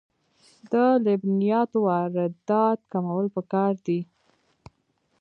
د لبنیاتو واردات کمول پکار دي